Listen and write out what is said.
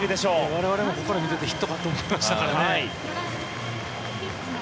我々もここから見ていてヒットかと思いましたからね。